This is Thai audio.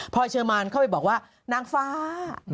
พอยเชอร์มานเข้าไปบอกว่านางฟ้า